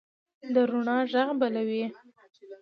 د روڼا ږغ بلوي